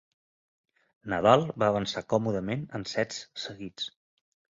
Nadal va avançar còmodament en sets seguits.